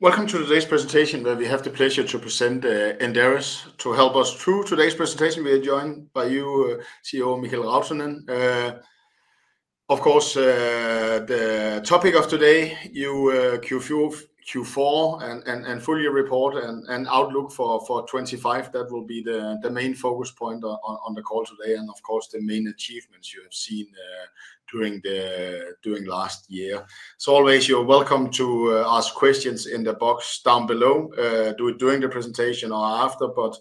Welcome to today's presentation, where we have the pleasure to present Inderes to help us through today's presentation. We are joined by you, CEO Mikael Rautanen. Of course, the topic of today, Q4, Q4 and full year report and outlook for 2025, that will be the main focus point on the call today. Of course, the main achievements you have seen during last year. Always, you're welcome to ask questions in the box down below, do it during the presentation or after, but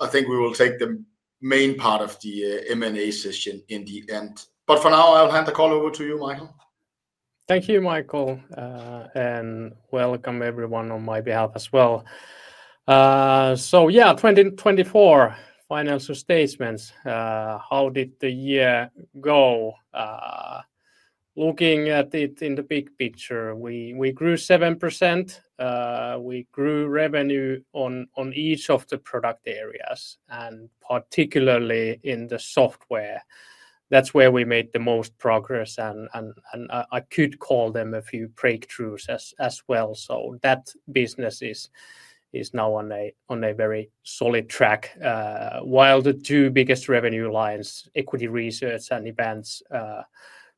I think we will take the main part of the Q&A session in the end. For now, I'll hand the call over to you, Mikael. Thank you, Mikael, and welcome everyone on my behalf as well. Yeah, 2024 financial statements, how did the year go? Looking at it in the big picture, we grew 7%, we grew revenue on each of the product areas and particularly in the software. That's where we made the most progress and I could call them a few breakthroughs as well. That business is now on a very solid track, while the two biggest revenue lines, equity research and events,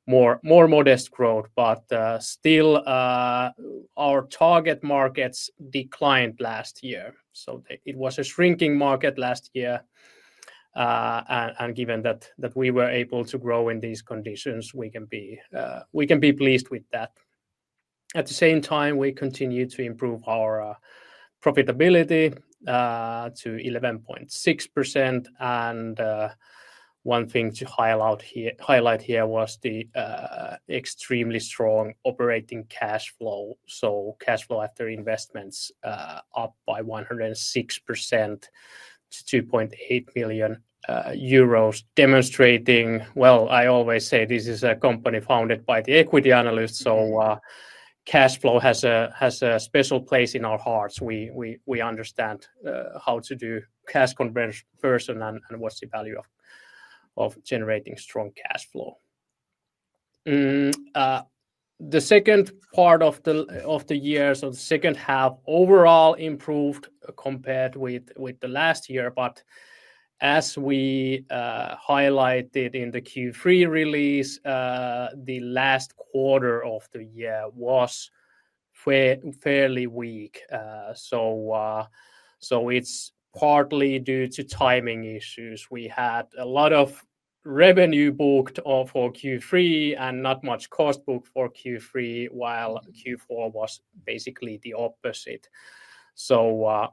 more modest growth, but still, our target markets declined last year. It was a shrinking market last year. Given that we were able to grow in these conditions, we can be pleased with that. At the same time, we continue to improve our profitability, to 11.6%. One thing to highlight here was the extremely strong operating cash flow. Cash flow after investments, up by 106% to 2.8 million, euros, demonstrating, I always say this is a company founded by the equity analyst. Cash flow has a special place in our hearts. We understand how to do cash conversion and what's the value of generating strong cash flow. The second part of the year or the second half overall improved compared with the last year. As we highlighted in the Q3 release, the last quarter of the year was fairly weak. It is partly due to timing issues. We had a lot of revenue booked for Q3 and not much cost booked for Q3, while Q4 was basically the opposite. The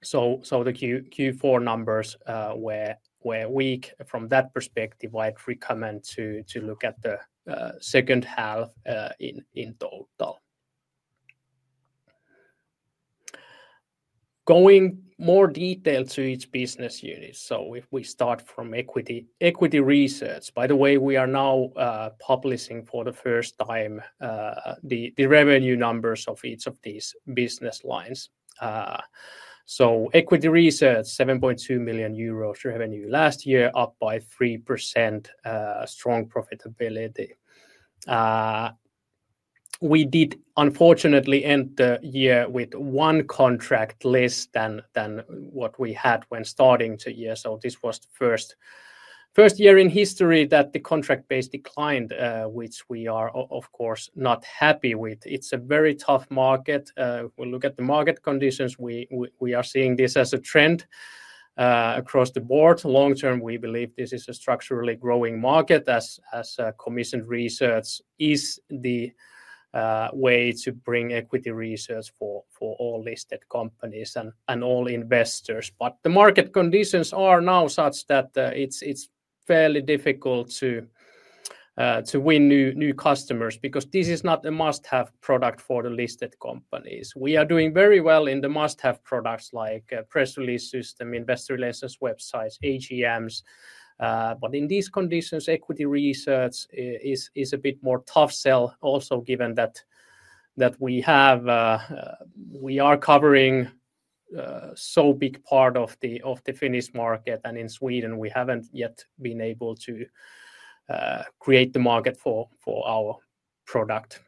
Q4 numbers were weak from that perspective. I'd recommend to look at the second half in total. Going more detail to each business unit. If we start from equity research, by the way, we are now publishing for the first time the revenue numbers of each of these business lines. So equity research, 7.2 million euros revenue last year, up by 3%, strong profitability. We did unfortunately end the year with one contract less than what we had when starting the year. This was the first year in history that the contract base declined, which we are of course not happy with. It's a very tough market. If we look at the market conditions, we are seeing this as a trend across the board. Long term, we believe this is a structurally growing market as commissioned research is the way to bring equity research for all listed companies and all investors. The market conditions are now such that it's fairly difficult to win new customers because this is not a must-have product for the listed companies. We are doing very well in the must-have products like press release system, investor relations websites, AGMs. In these conditions, equity research is a bit more tough sell also given that we are covering so big part of the Finnish market. In Sweden, we haven't yet been able to create the market for our product.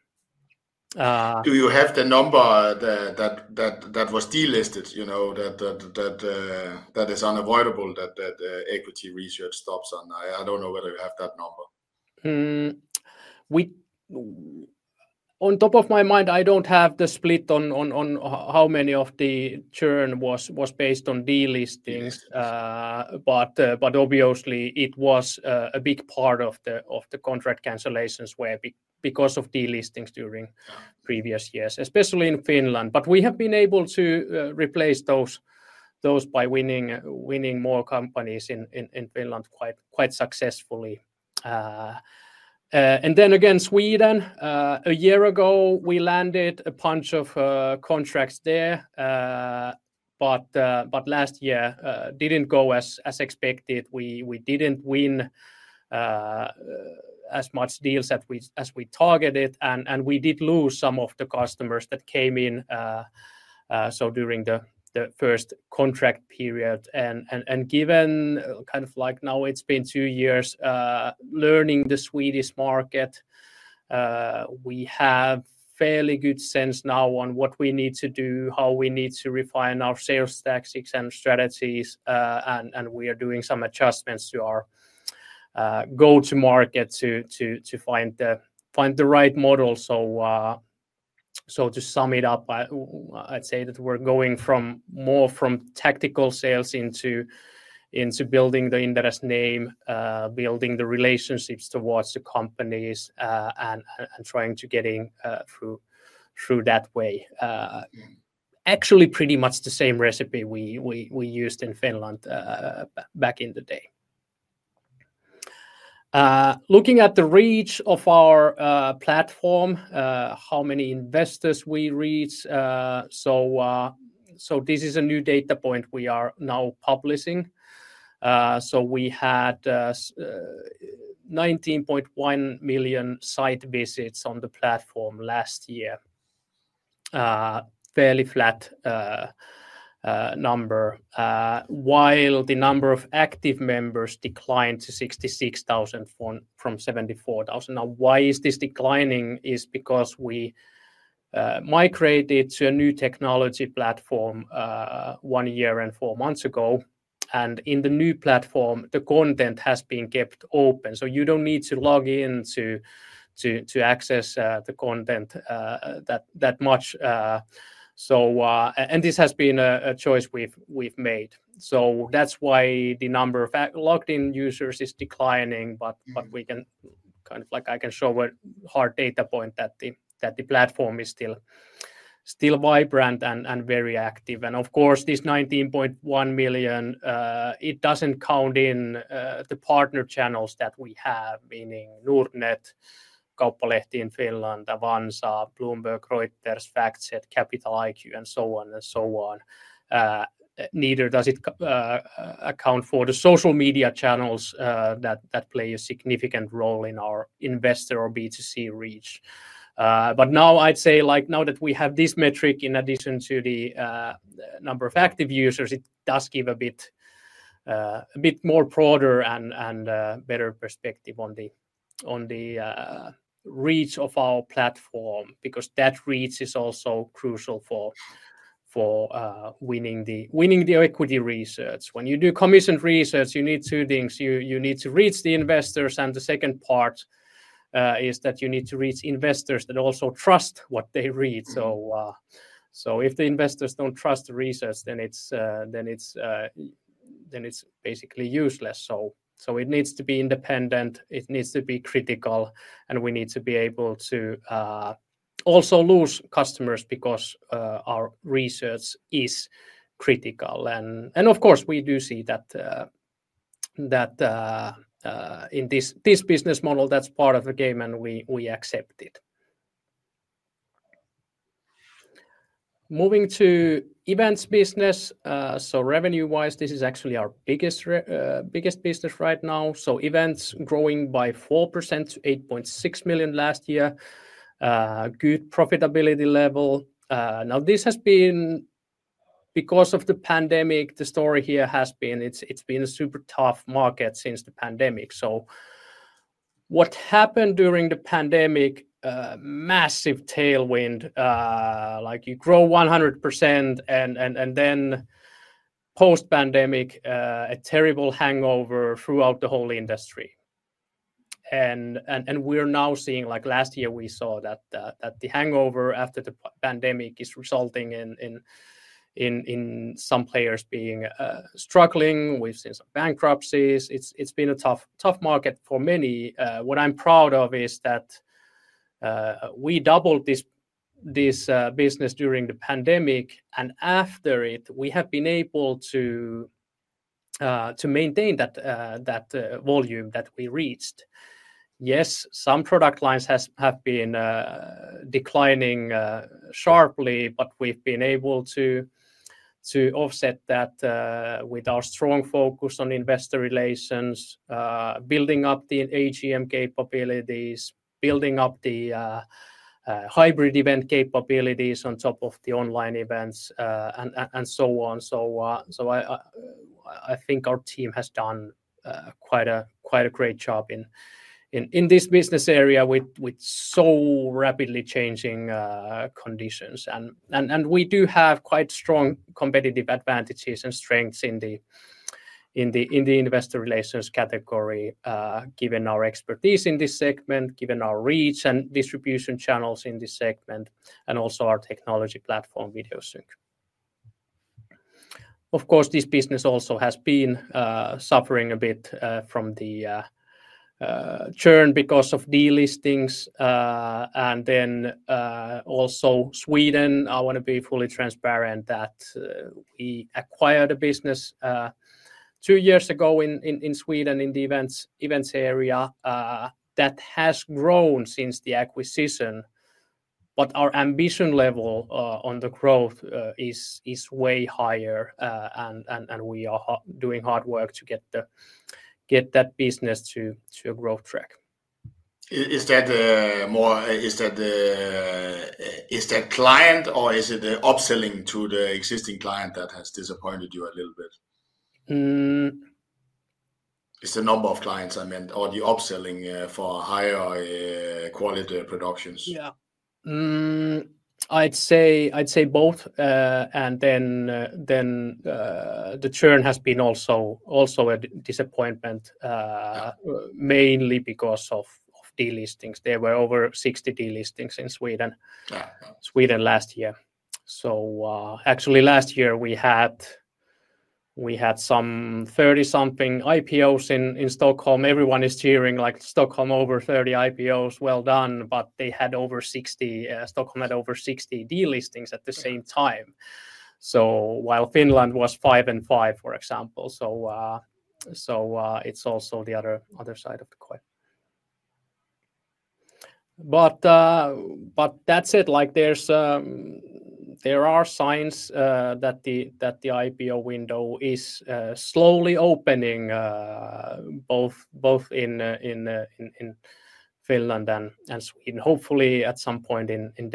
Do you have the number that was delisted, you know, that is unavoidable that equity research stops on? I don't know whether you have that number. We, on top of my mind, I don't have the split on how many of the churn was based on delistings. Obviously, it was a big part of the contract cancellations were because of delistings during previous years, especially in Finland. We have been able to replace those by winning more companies in Finland quite successfully. Then again, Sweden, a year ago we landed a bunch of contracts there. Last year, it didn't go as expected. We didn't win as much deals as we targeted, and we did lose some of the customers that came in during the first contract period. Given kind of like now it's been two years, learning the Swedish market, we have fairly good sense now on what we need to do, how we need to refine our sales tactics and strategies. We are doing some adjustments to our go to market to find the right model. To sum it up, I'd say that we're going more from tactical sales into building the Inderes name, building the relationships towards the companies, and trying to getting through that way. Actually pretty much the same recipe we used in Finland, back in the day. Looking at the reach of our platform, how many investors we reach. This is a new data point we are now publishing. We had 19.1 million site visits on the platform last year. Fairly flat number, while the number of active members declined to 66,000 from 74,000. Now, why is this declining? It is because we migrated to a new technology platform one year and four months ago. In the new platform, the content has been kept open, so you do not need to log in to access the content that much. This has been a choice we have made. That is why the number of logged in users is declining. We can show a hard data point that the platform is still vibrant and very active. Of course, this 19.1 million does not count in the partner channels that we have, meaning Nordnet, Kauppalehti in Finland, Avanza, Bloomberg, Reuters, FactSet, Capital IQ, and so on. Neither does it account for the social media channels that play a significant role in our investor or B2C reach. Now I'd say like now that we have this metric in addition to the number of active users, it does give a bit more broader and better perspective on the reach of our platform because that reach is also crucial for winning the equity research. When you do commissioned research, you need two things. You need to reach the investors. The second part is that you need to reach investors that also trust what they read. If the investors do not trust the research, then it is basically useless. It needs to be independent. It needs to be critical. We need to be able to also lose customers because our research is critical. Of course, we do see that in this business model, that's part of the game and we accept it. Moving to events business, revenue wise, this is actually our biggest business right now. Events growing by 4% to 8.6 million last year. Good profitability level. This has been because of the pandemic. The story here has been, it's been a super tough market since the pandemic. What happened during the pandemic, massive tailwind, like you grow 100%, and then post pandemic, a terrible hangover throughout the whole industry. We are now seeing, like last year we saw, that the hangover after the pandemic is resulting in some players struggling. We've seen some bankruptcies. It's been a tough, tough market for many. What I'm proud of is that we doubled this business during the pandemic and after it we have been able to maintain that volume that we reached. Yes, some product lines have been declining sharply, but we've been able to offset that with our strong focus on investor relations, building up the AGM capabilities, building up the hybrid event capabilities on top of the online events, and so on. I think our team has done quite a great job in this business area with so rapidly changing conditions. We do have quite strong competitive advantages and strengths in the investor relations category, given our expertise in this segment, given our reach and distribution channels in this segment, and also our technology platform, Videosync. Of course, this business also has been suffering a bit from the churn because of delistings. Also, Sweden, I want to be fully transparent that we acquired a business two years ago in Sweden in the events area that has grown since the acquisition. Our ambition level on the growth is way higher, and we are doing hard work to get that business to a growth track. Is that more, is that client or is it the upselling to the existing client that has disappointed you a little bit? It's the number of clients, I meant, or the upselling for higher quality productions. Yeah. I'd say, I'd say both. The churn has been also a disappointment, mainly because of delistings. There were over 60 delistings in Sweden. Yeah. Sweden last year. Actually, last year we had some 30-something IPOs in Stockholm. Everyone is cheering like Stockholm, over 30 IPOs. Well done. They had over 60, Stockholm had over 60 delistings at the same time, while Finland was five and five, for example. It is also the other side of the coin. There are signs that the IPO window is slowly opening, both in Finland and Sweden. Hopefully at some point in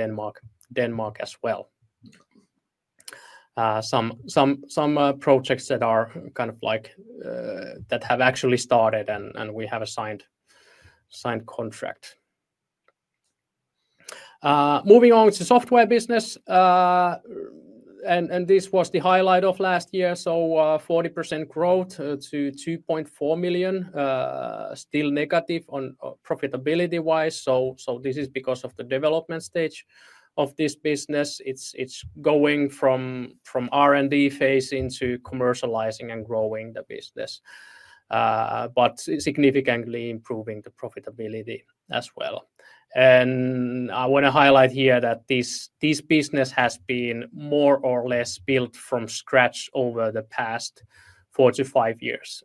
Denmark as well. Some projects that are kind of like, that have actually started and we have a signed contract. Moving on to software business, this was the highlight of last year. 40% growth to 2.4 million, still negative on profitability wise. This is because of the development stage of this business. It's going from R&D phase into commercializing and growing the business, but significantly improving the profitability as well. I wanna highlight here that this business has been more or less built from scratch over the past four to five years.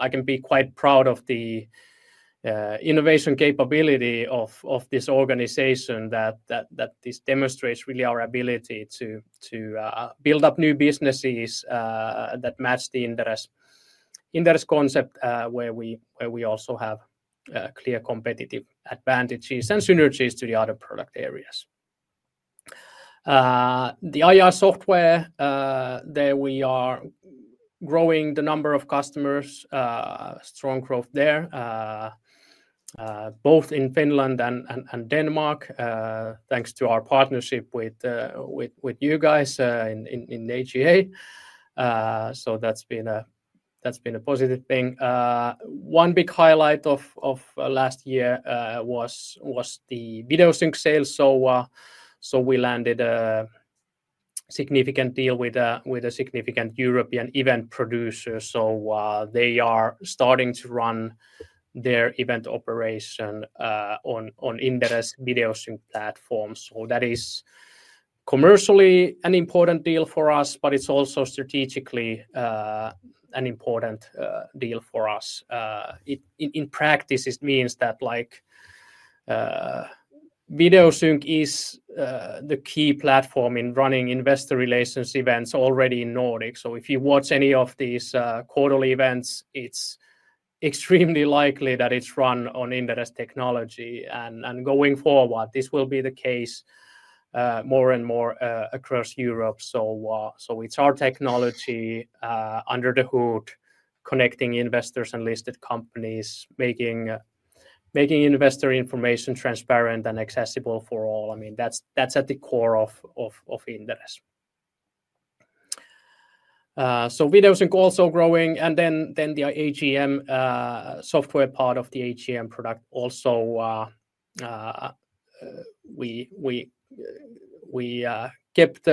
I can be quite proud of the innovation capability of this organization that this demonstrates really our ability to build up new businesses that match the Inderes concept, where we also have clear competitive advantages and synergies to the other product areas. The IR software, there we are growing the number of customers, strong growth there, both in Finland and Denmark, thanks to our partnership with you guys in AGA. That's been a positive thing. One big highlight of last year was the Video Sync sales. We landed a significant deal with a significant European event producer. They are starting to run their event operation on Inderes Video Sync platform. That is commercially an important deal for us, but it's also strategically an important deal for us. In practice, it means that Video Sync is the key platform in running investor relations events already in Nordic. If you watch any of these quarterly events, it's extremely likely that it's run on Inderes technology. Going forward, this will be the case more and more across Europe. It's our technology under the hood, connecting investors and listed companies, making investor information transparent and accessible for all. I mean, that's at the core of Inderes. Video Sync also growing. The AGM software part of the AGM product also, we kept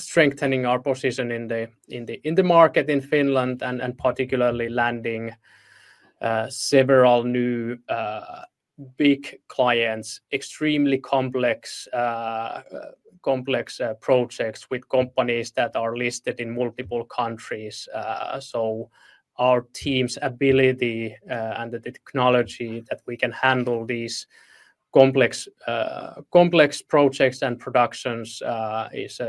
strengthening our position in the market in Finland and particularly landing several new big clients, extremely complex projects with companies that are listed in multiple countries. Our team's ability, and the technology that we can handle these complex projects and productions, is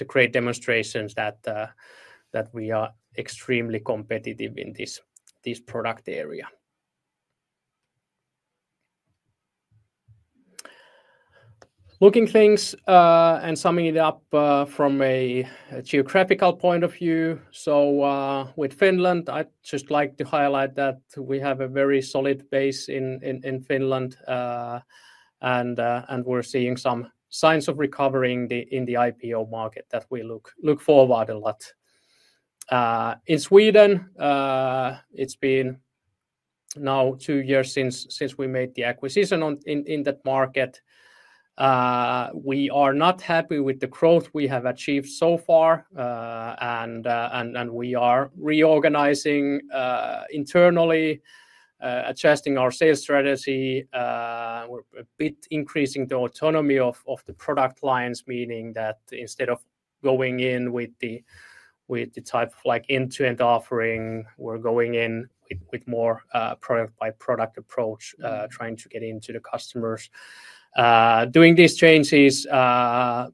a great demonstration that we are extremely competitive in this product area. Looking at things, and summing it up, from a geographical point of view. With Finland, I'd just like to highlight that we have a very solid base in Finland. And we are seeing some signs of recovering in the IPO market that we look forward to a lot. In Sweden, it has been now two years since we made the acquisition in that market. We are not happy with the growth we have achieved so far, and we are reorganizing internally, adjusting our sales strategy. We are a bit increasing the autonomy of the product lines, meaning that instead of going in with the type of end-to-end offering, we are going in with more of a product-by-product approach, trying to get into the customers. We are doing these changes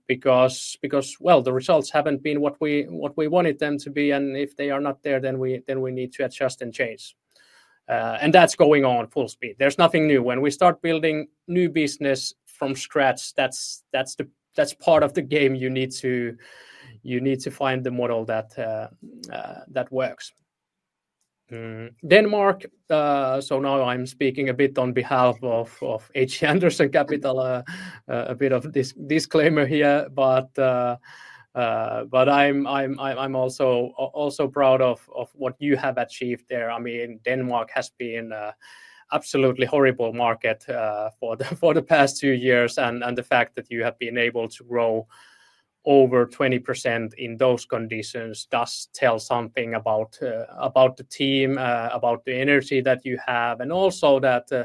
because the results have not been what we wanted them to be. If they are not there, then we need to adjust and change. That is going on full speed. There is nothing new. When we start building new business from scratch, that's part of the game. You need to find the model that works. Denmark. Now I'm speaking a bit on behalf of H.C. Andersen Capital. A bit of this disclaimer here, but I'm also proud of what you have achieved there. I mean, Denmark has been an absolutely horrible market for the past two years. The fact that you have been able to grow over 20% in those conditions does tell something about the team, about the energy that you have. Also, you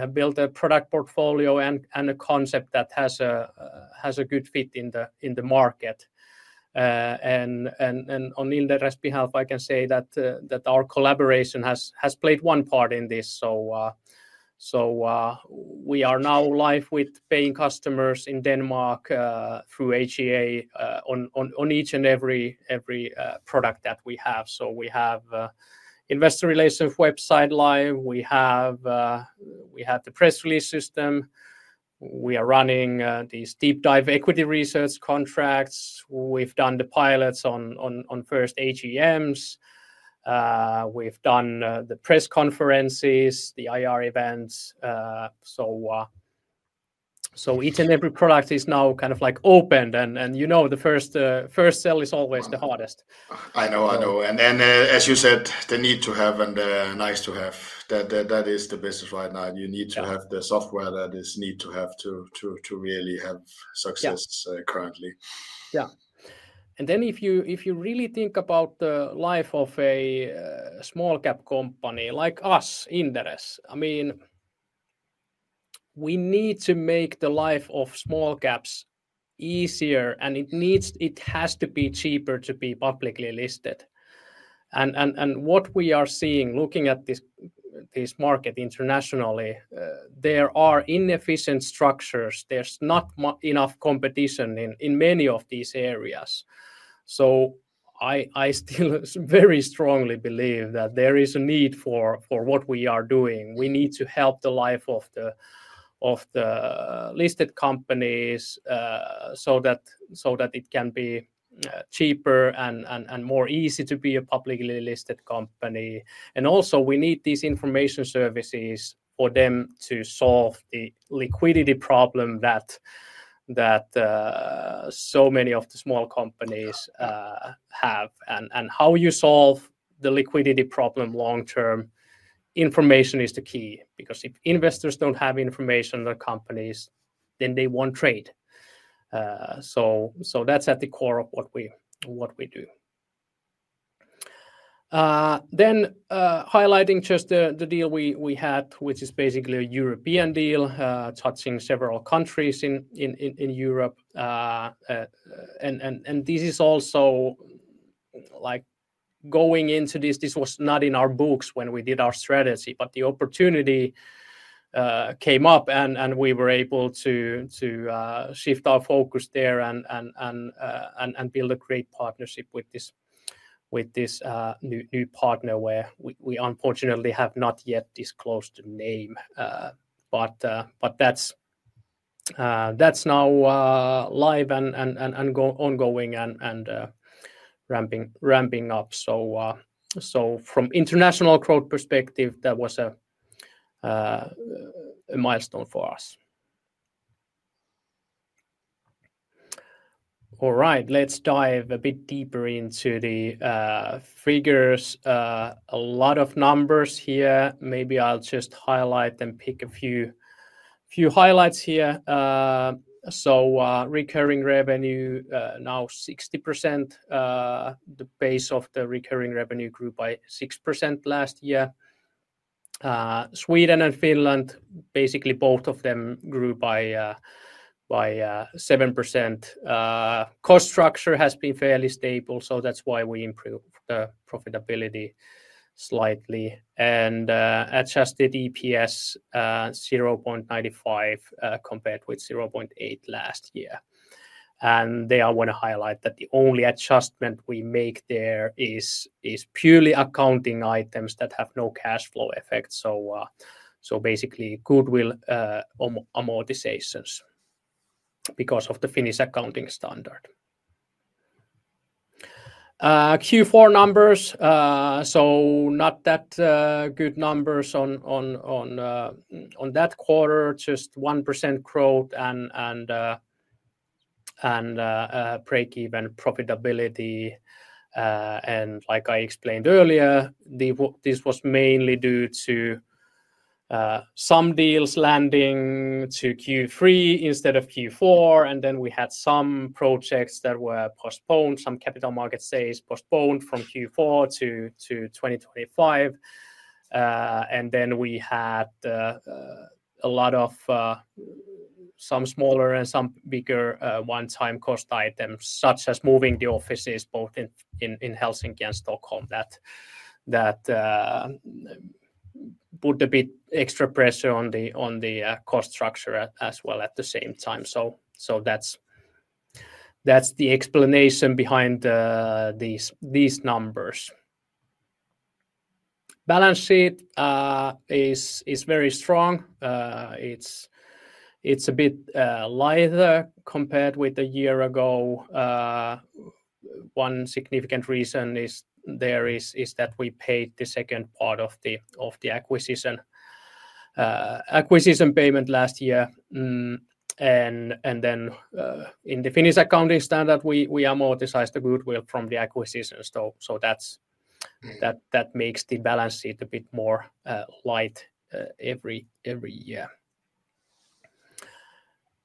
have built a product portfolio and a concept that has a good fit in the market. On Inderes behalf, I can say that our collaboration has played one part in this. We are now live with paying customers in Denmark, through HCA, on each and every product that we have. We have investor relations website live. We have the press release system. We are running these deep dive equity research contracts. We've done the pilots on first AGMs. We've done the press conferences, the IR events. Each and every product is now kind of like opened and, you know, the first sale is always the hardest. I know, I know. As you said, the need to have and the nice to have, that is the business right now. You need to have the software that is need to have to really have success currently. Yeah. If you really think about the life of a small cap company like us, Inderes, I mean, we need to make the life of small caps easier and it has to be cheaper to be publicly listed. What we are seeing looking at this market internationally, there are inefficient structures. There's not enough competition in many of these areas. I still very strongly believe that there is a need for what we are doing. We need to help the life of the listed companies, so that it can be cheaper and more easy to be a publicly listed company. Also, we need these information services for them to solve the liquidity problem that so many of the small companies have. How you solve the liquidity problem long-term, information is the key because if investors don't have information on the companies, then they won't trade. That's at the core of what we do. Highlighting just the deal we had, which is basically a European deal, touching several countries in Europe. This is also like going into this, this was not in our books when we did our strategy, but the opportunity came up and we were able to shift our focus there and build a great partnership with this new partner where we unfortunately have not yet disclosed the name. That's now live and ongoing and ramping up. From an international growth perspective, that was a milestone for us. Alright, let's dive a bit deeper into the figures. A lot of numbers here. Maybe I'll just highlight and pick a few highlights here. Recurring revenue, now 60%, the base of the recurring revenue grew by 6% last year. Sweden and Finland, basically both of them grew by 7%. Cost structure has been fairly stable. That's why we improved the profitability slightly. Adjusted EPS, 0.95, compared with 0.8 last year. I want to highlight that the only adjustment we make there is purely accounting items that have no cash flow effect. Basically goodwill amortizations because of the Finnish accounting standard. Q4 numbers, not that good numbers on that quarter, just 1% growth and break even profitability. Like I explained earlier, this was mainly due to some deals landing to Q3 instead of Q4. Then we had some projects that were postponed, some capital markets days postponed from Q4 to 2025. We had a lot of, some smaller and some bigger, one-time cost items such as moving the offices both in Helsinki and Stockholm that put a bit extra pressure on the cost structure as well at the same time. That's the explanation behind these numbers. Balance sheet is very strong. It's a bit lighter compared with a year ago. One significant reason is that we paid the second part of the acquisition payment last year. In the Finnish accounting standard, we amortized the goodwill from the acquisition. That's, that makes the balance sheet a bit more light every year.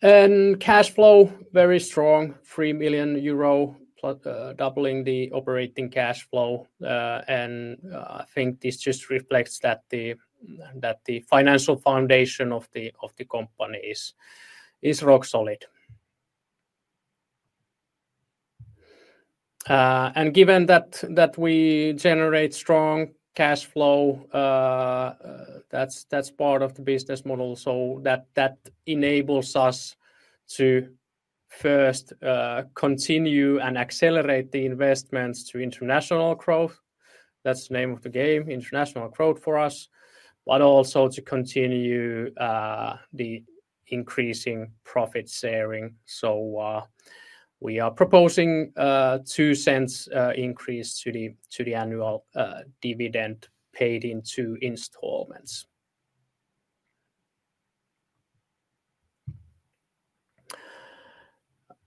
Cash flow, very strong, 3 million euro plus, doubling the operating cash flow. I think this just reflects that the financial foundation of the company is rock solid. Given that we generate strong cash flow, that's part of the business model. That enables us to first continue and accelerate the investments to international growth. That's the name of the game, international growth for us, but also to continue the increasing profit sharing. We are proposing 0.02 increase to the annual dividend paid in two installments.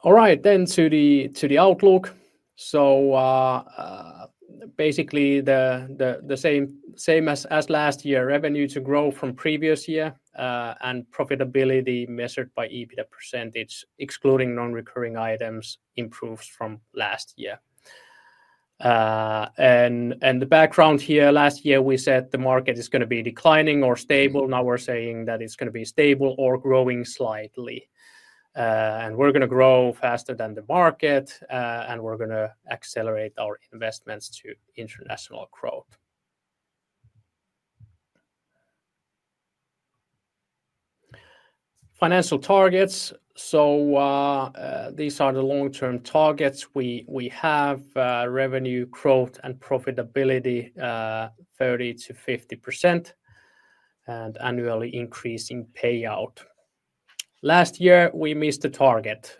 Alright, then to the outlook. Basically, the same as last year, revenue to grow from previous year, and profitability measured by EBITDA %, excluding non-recurring items, improves from last year. The background here, last year we said the market is gonna be declining or stable. Now we're saying that it's gonna be stable or growing slightly. We're gonna grow faster than the market, and we're gonna accelerate our investments to international growth. Financial targets. These are the long-term targets we have, revenue growth and profitability, 30%-50% and annually increasing payout. Last year we missed the target.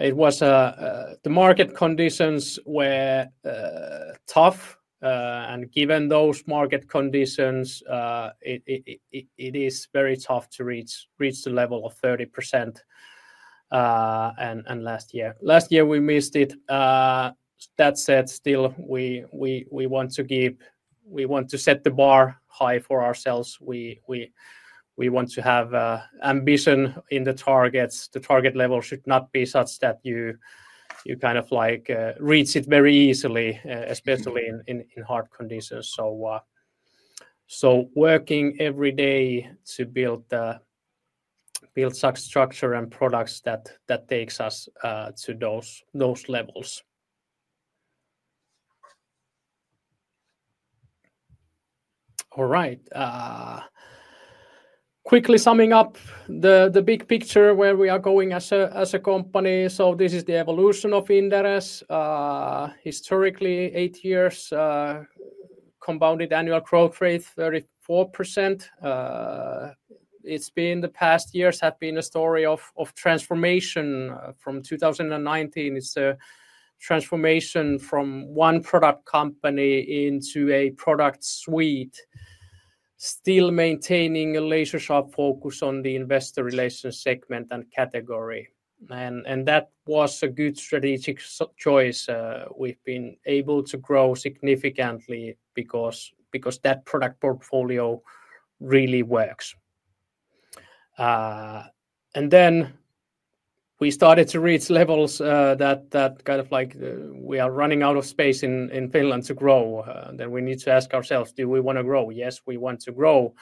It was, the market conditions were tough. Given those market conditions, it is very tough to reach the level of 30%. Last year we missed it. That said, still, we want to give, we want to set the bar high for ourselves. We want to have ambition in the targets. The target level should not be such that you kind of like reach it very easily, especially in hard conditions. Working every day to build the structure and products that take us to those levels. Alright, quickly summing up the big picture where we are going as a company. This is the evolution of Inderes. Historically, eight years, compounded annual growth rate 34%. The past years have been a story of transformation from 2019. It is a transformation from one product company into a product suite, still maintaining a laser sharp focus on the investor relations segment and category. That was a good strategic choice. We've been able to grow significantly because that product portfolio really works. Then we started to reach levels that kind of like we are running out of space in Finland to grow. We need to ask ourselves, do we want to grow? Yes, we want to grow.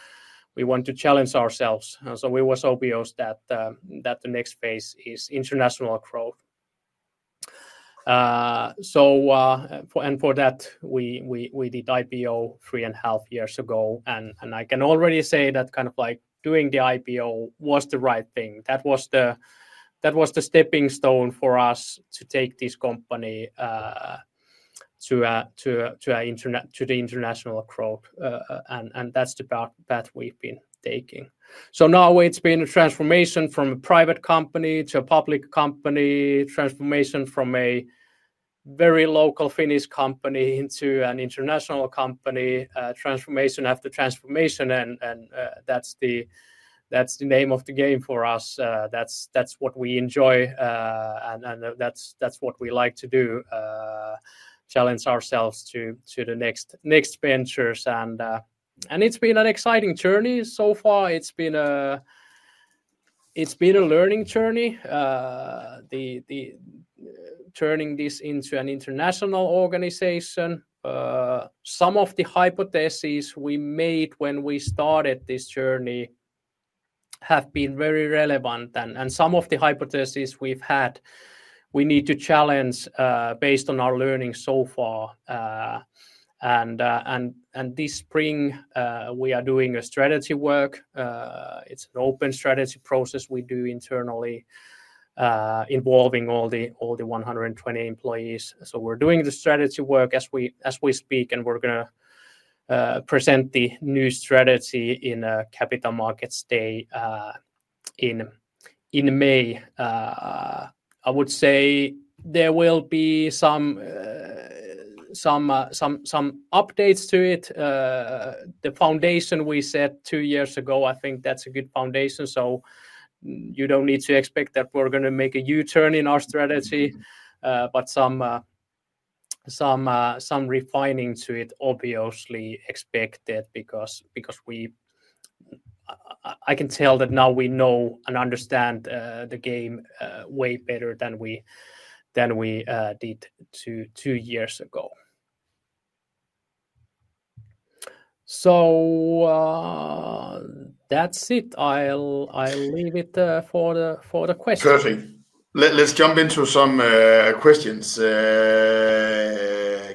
We want to challenge ourselves. We were so beyond that, that the next phase is international growth. For that, we did IPO three and a half years ago. I can already say that kind of like doing the IPO was the right thing. That was the stepping stone for us to take this company to the international growth. That's the path that we've been taking. It has been a transformation from a private company to a public company, a transformation from a very local Finnish company into an international company, transformation after transformation. That is the name of the game for us. That is what we enjoy, and that is what we like to do, challenge ourselves to the next ventures. It has been an exciting journey so far. It has been a learning journey, turning this into an international organization. Some of the hypotheses we made when we started this journey have been very relevant, and some of the hypotheses we have had, we need to challenge based on our learning so far. This spring, we are doing a strategy work. It is an open strategy process we do internally, involving all the 120 employees. We're doing the strategy work as we speak, and we're gonna present the new strategy in a capital markets day in May. I would say there will be some updates to it. The foundation we set two years ago, I think that's a good foundation. You don't need to expect that we're gonna make a U-turn in our strategy, but some refining to it obviously expected because we, I can tell that now we know and understand the game way better than we did two years ago. That's it. I'll leave it for the questions. Perfect. Let's jump into some questions.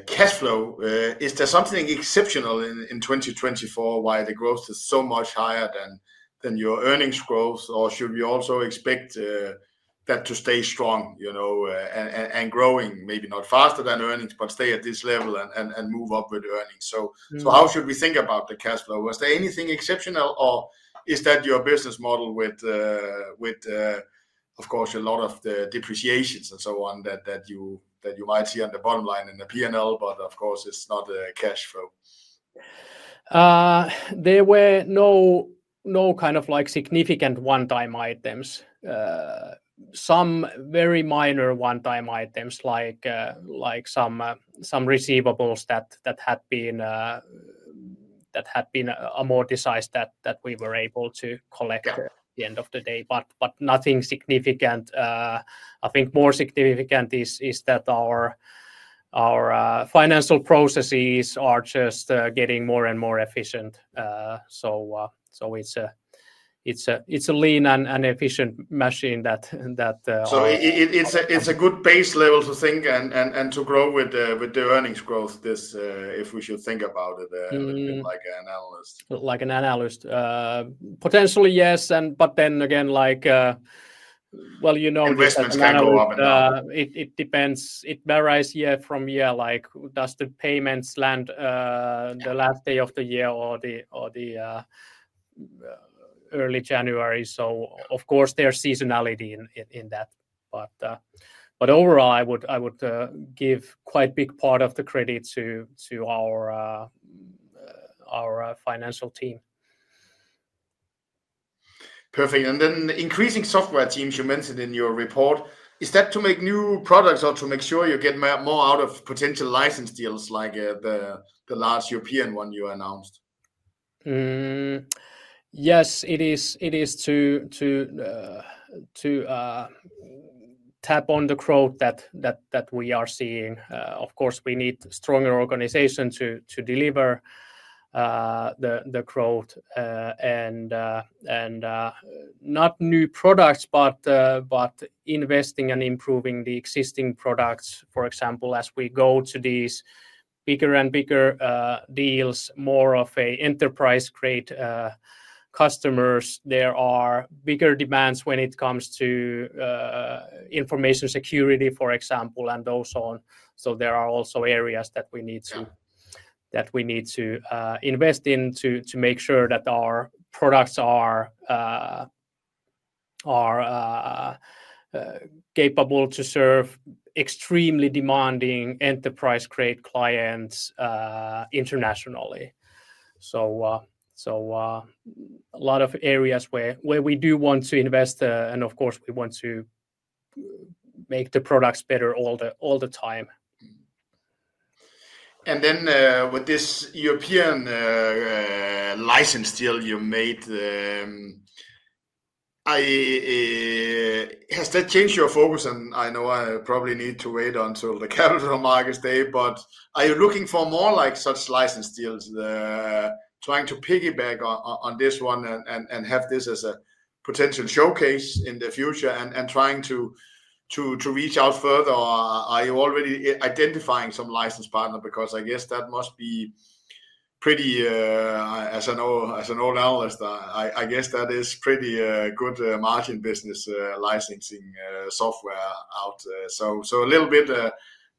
Cash flow, is there something exceptional in 2024? Why the growth is so much higher than your earnings growth? Should we also expect that to stay strong, you know, and growing maybe not faster than earnings, but stay at this level and move up with earnings? How should we think about the cash flow? Was there anything exceptional or is that your business model with, of course, a lot of the depreciations and so on that you might see on the bottom line in the P&L, but of course it's not a cash flow. There were no significant one-time items, some very minor one-time items like some receivables that had been amortized that we were able to collect at the end of the day, but nothing significant. I think more significant is that our financial processes are just getting more and more efficient. It is a lean and efficient machine that, that, it is a good base level to think and to grow with the earnings growth. If we should think about it a little bit like an analyst. Like an analyst, potentially, yes. Investments kind of, it depends, it varies year from year. Like does the payments land the last day of the year or early January? Of course there is seasonality in that. Overall, I would give quite a big part of the credit to our financial team. Perfect. Increasing software teams you mentioned in your report, is that to make new products or to make sure you get more out of potential license deals like, the last European one you announced? Yes, it is to tap on the growth that we are seeing. Of course we need stronger organization to deliver the growth, and not new products, but investing and improving the existing products. For example, as we go to these bigger and bigger deals, more of an enterprise grade, customers, there are bigger demands when it comes to information security, for example, and those on. So there are also areas that we need to invest in to make sure that our products are capable to serve extremely demanding enterprise grade clients, internationally. A lot of areas where we do want to invest, and of course we want to make the products better all the time. With this European license deal you made, has that changed your focus? I know I probably need to wait until the capital markets day, but are you looking for more like such license deals, trying to piggyback on this one and have this as a potential showcase in the future and trying to reach out further? Are you already identifying some license partner? Because I guess that must be pretty, as an old analyst, I guess that is pretty good margin business, licensing software out there. A little bit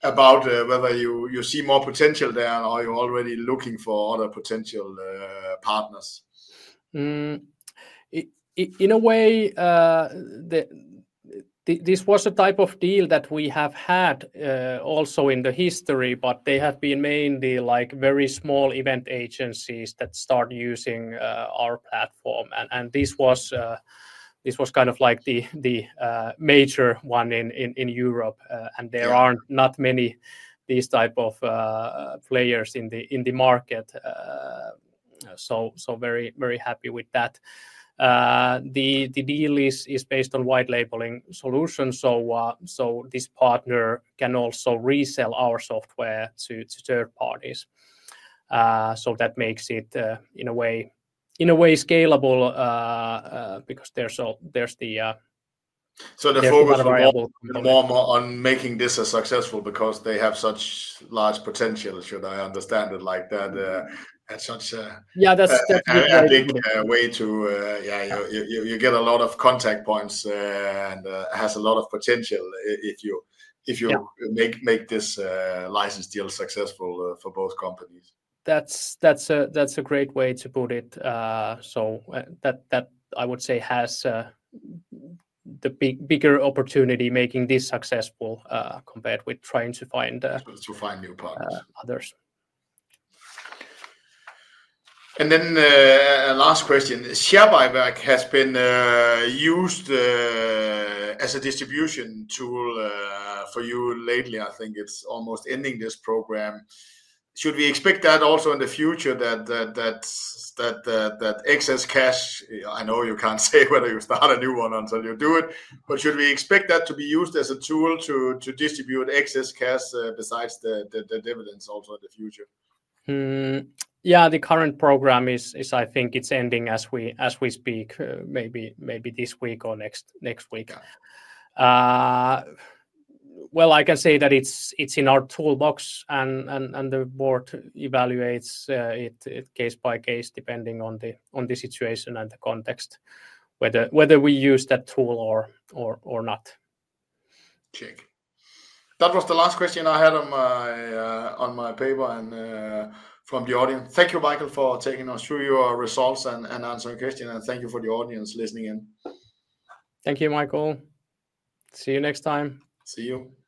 about whether you see more potential there or you're already looking for other potential partners. It, in a way, this was a type of deal that we have had also in the history, but they have been mainly like very small event agencies that start using our platform. This was kind of like the major one in Europe. There are not many of these type of players in the market. Very, very happy with that. The deal is based on white labeling solution, so this partner can also resell our software to third parties. That makes it, in a way, scalable, because there's the focus of the model on making this successful because they have such large potential. Should I understand it like that? Yeah, that's definitely a big way to, yeah, you get a lot of contact points, and it has a lot of potential if you make this license deal successful for both companies. That's a great way to put it. That, I would say, has the bigger opportunity making this successful, compared with trying to find new partners. Others. A last question, Share buyBack has been used as a distribution tool for you lately. I think it's almost ending, this program. Should we expect that also in the future that excess cash, I know you can't say whether you start a new one until you do it, but should we expect that to be used as a tool to distribute excess cash, besides the dividends also in the future? Yeah, the current program is, I think it's ending as we speak, maybe this week or next week. I can say that it's in our toolbox and the board evaluates it case by case depending on the situation and the context whether we use that tool or not. Check. That was the last question I had on my paper and from the audience. Thank you, Mikael, for taking us through your results and answering questions. Thank you for the audience listening in. Thank you, Mikael. See you next time. See you.